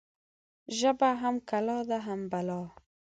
ژبه هم کلا ده هم بلا.